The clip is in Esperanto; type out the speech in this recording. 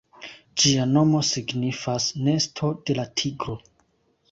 Ĝia nomo signifas "Nesto de la Tigro".